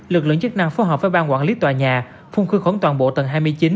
lực lượng chức năng phối hợp với bang quản lý tòa nhà phung khu khuẩn toàn bộ tầng hai mươi chín